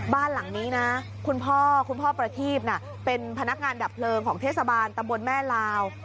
บ้านหลังนี้นะคุณพ่อคุณพ่อประทีพเป็นพนักงานดับเพลิงของเทศบาลตำบลแม่ลาว